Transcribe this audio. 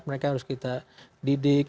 mereka harus kita didik